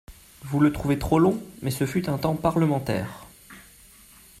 Vous le trouvez trop long mais ce fut un temps parlementaire.